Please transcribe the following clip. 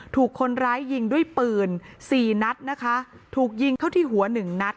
ถูกคนร้ายยิงด้วยปืนสี่นัดนะคะถูกยิงเข้าที่หัวหนึ่งนัด